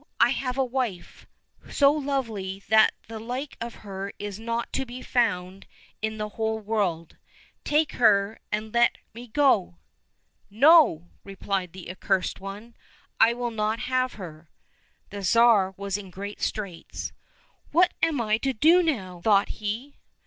I have a wife so lovely that the like of her is not to be found in the whole world, take her and let me go !"—" No !" repHed the Accursed One, " I will not have her." The Tsar was in great straits. " What am I to do now ?" thought he.